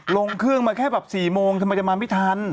ลงเครื่องมาแค่แบบ๔โมงทำไมจะมาไม่ทัน